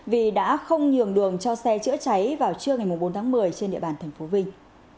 vì đã không nhường đường cho xe chữa cháy vào trưa ngày bốn tháng một mươi trên địa bàn tp vinh